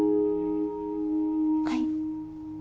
はい。